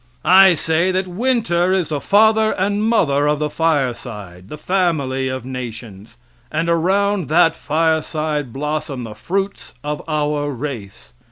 I say that winter is the father and mother of the fireside, the family of nations; and around that fireside blossom the fruits of our race.